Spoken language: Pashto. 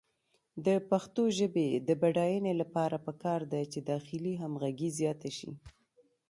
د پښتو ژبې د بډاینې لپاره پکار ده چې داخلي همغږي زیاته شي.